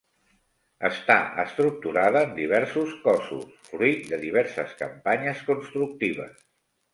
Està estructurada en diversos cossos, fruit de diverses campanyes constructives.